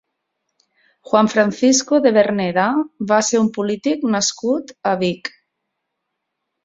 Juan Francisco de Verneda va ser un polític nascut a Vic.